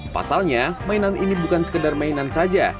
pasalnya mainan ini bukan sekedar mainan saja